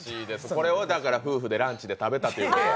これを夫婦でランチで食べたという？